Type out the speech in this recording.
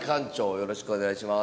よろしくお願いします。